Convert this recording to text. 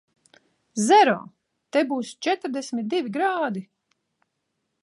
Zero! Te būs četrdesmit divi grādi.